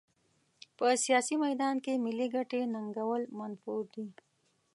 په سیاسي میدان کې ملي ګټې ننګول منفور دي.